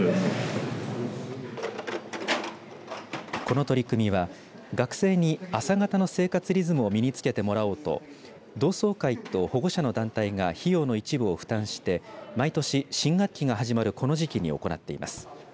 この取り組みは学生に朝型の生活リズムを身につけてもらおうと同窓会と保護者の団体が費用の一部を負担して毎年、新学期が始まるこの時期に行っています。